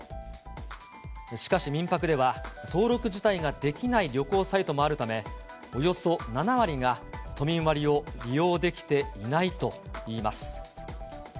しかし民泊では、登録自体ができない旅行サイトもあるため、およそ７割が、都民割を利用できていないといいます。